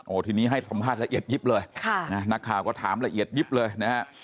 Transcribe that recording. ทีนี้ให้สัมภาษณ์ละเอียดยิบเลยค่ะนักข่าวก็ถามละเอียดยิบเลยนะฮะ